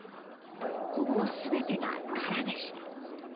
ほぼ全てが空でした。